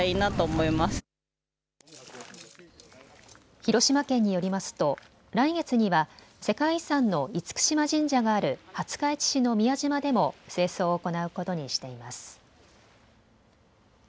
広島県によりますと来月には世界遺産の厳島神社がある廿日市市の宮島でも清掃を行うことにしています。